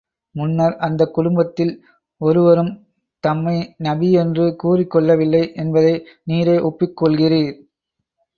முன்னர், அந்தக் குடும்பத்தில் ஒருவரும் தம்மை நபி என்று கூறிக் கொள்ளவில்லை என்பதை நீரே ஒப்புக் கொள்கிறீர்.